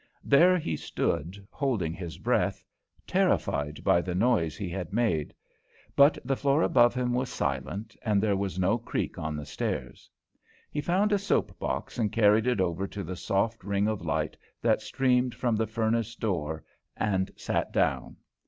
There he stood, holding his breath, terrified by the noise he had made; but the floor above him was silent, and there was no creak on the stairs. He found a soap box, and carried it over to the soft ring of light that streamed from the furnace door, and sat down.